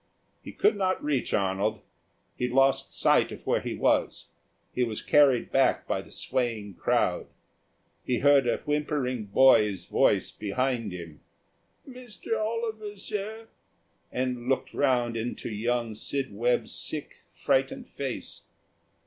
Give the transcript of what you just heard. He could not reach Arnold; he lost sight of where he was; he was carried back by the swaying crowd. He heard a whimpering boy's voice behind him, "Mr. Oliver, sir," and looked round into young Sid Webb's sick, frightened face.